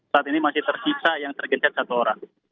saat ini masih tersisa yang tergencet satu orang